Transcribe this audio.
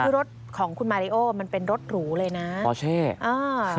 รถของคุณมาริโอมันเป็นรถหรูเลยนะ